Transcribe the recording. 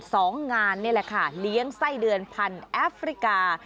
สองงานนี่แหละค่ะเลี้ยงไส้เดือนพันธุ์แอฟริกา